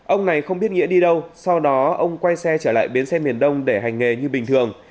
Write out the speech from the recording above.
ông này không biết nghĩa đi đâu sau đó ông quay xe trở lại bến xe miền đông để hành nghề như bình thường